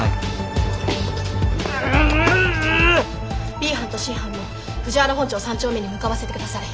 Ｂ班とＣ班も藤原本町３丁目に向かわせて下さい。